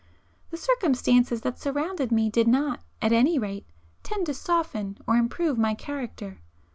The circumstances that surrounded me, did not, at any rate, tend to soften or improve my character.